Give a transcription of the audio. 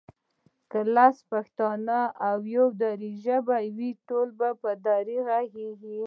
که لس پښتانه او يو دري ژبی وي ټول بیا په دري غږېږي